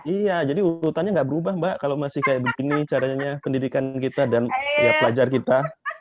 iya jadi urutannya nggak berubah mbak kalau masih kayak begini caranya pendidikan kita dan pelajar kita